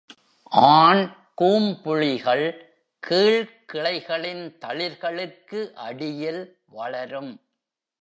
ஆண் கூம்புளிகள் கீழ்க் கிளைகளின் தளிர்களுக்கு அடியில் வளரும்.